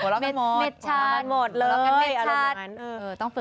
หัวเราะกันหมดหัวเราะกันหมดเลยต้องฝึกนะ